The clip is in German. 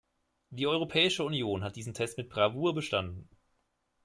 Die Europäische Union hat diesen Test mit Bravour bestanden.